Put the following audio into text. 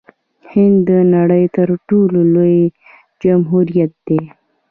هند د نړۍ تر ټولو لوی جمهوریت دی.